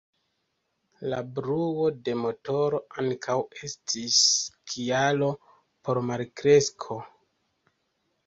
La bruo de motoro ankaŭ estis kialo por malkresko.